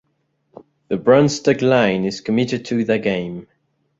The brand's tagline is "Committed To The Game".